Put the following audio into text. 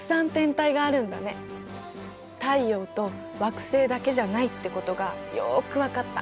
太陽と惑星だけじゃないってことがよく分かった。